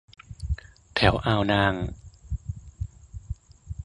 แถวอ่าวนาง